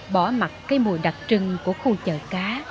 bỏ mặt cây mùi đặc trưng của khu chợ cá